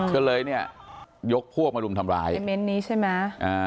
ก็เลยเนี่ยยกพวกมารุมทำร้ายในเมนต์นี้ใช่ไหม